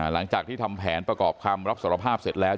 หลังจากที่ทำแผนประกอบคำรับสารภาพเสร็จแล้ว